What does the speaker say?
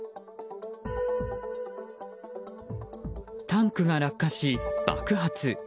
タンクが落下し、爆発。